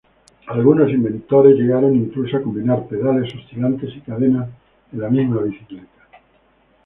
Algunos inventores llegaron incluso a combinar pedales oscilantes y cadenas en la misma bicicleta.